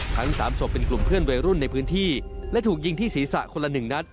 ทั้งสามศพเป็นกลุ่มเพื่อนวัยรุ่นในพื้นที่และถูกยิงที่ศีรษะคนละ๑นัด